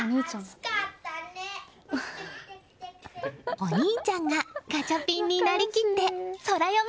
お兄ちゃんがガチャピンになりきってソラよみ